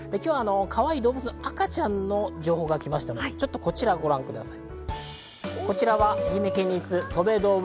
今日は動物の赤ちゃんの情報が来ましたので、こちらをご覧ください。